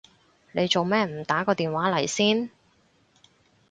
你做咩唔打個電話嚟先？